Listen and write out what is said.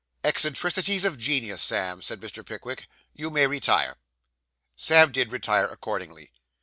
'Eccentricities of genius, Sam,' said Mr. Pickwick. 'You may retire.' Sam did retire accordingly.